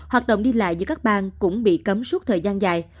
hoạt động đi lại giữa các bang cũng bị cấm suốt thời gian dài